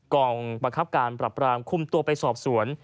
กองบังคับการปรับรามคุมตัวไปสอบสวน